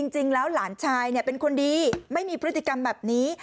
จริงแล้วหลานชายเนี่ยเป็นคนดีไม่มีพฤติกรรมแบบนี้